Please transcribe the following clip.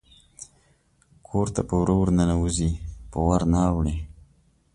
کور ته په وره ورننوزي په ور نه اوړي